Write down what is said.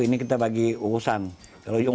ini kita bagi urusan kalau yang